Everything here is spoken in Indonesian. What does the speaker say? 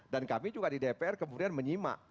dan kami juga di dpr kemudian menyimak